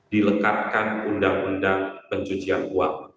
dilekatkan undang undang pencucian uang